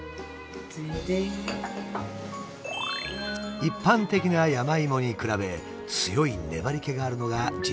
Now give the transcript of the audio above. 一般的な山芋に比べ強い粘りけがあるのが自然薯の特徴。